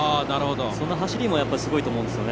その走りもすごいと思うんですよね。